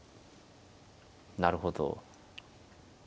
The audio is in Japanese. なるほど。